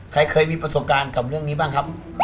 ปุ๊ดนี่คืออะไรครับ